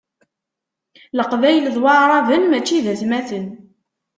Leqbayel d waɛraben mačči d atmaten.